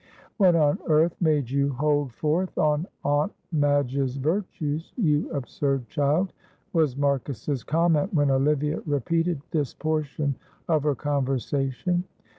"What on earth made you hold forth on Aunt Madge's virtues, you absurd child?" was Marcus's comment when Olivia repeated this portion of her conversation.